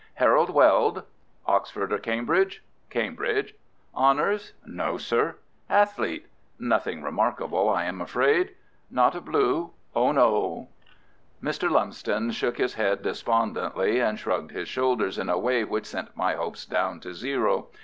"Harold Weld." "Oxford or Cambridge?" "Cambridge." "Honours?" "No, sir." "Athlete?" "Nothing remarkable, I am afraid." "Not a Blue?" "Oh, no." Mr. Lumsden shook his head despondently and shrugged his shoulders in a way which sent my hopes down to zero.